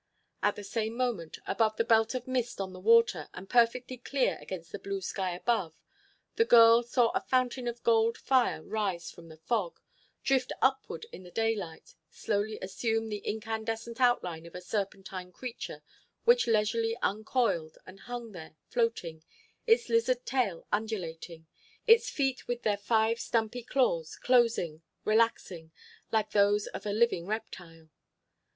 At the same moment, above the belt of mist on the water, and perfectly clear against the blue sky above, the girl saw a fountain of gold fire rise from the fog, drift upward in the daylight, slowly assume the incandescent outline of a serpentine creature which leisurely uncoiled and hung there floating, its lizard tail undulating, its feet with their five stumpy claws closing, relaxing, like those of a living reptile.